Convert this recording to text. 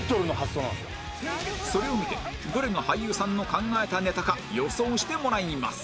それを見てどれが俳優さんの考えたネタか予想してもらいます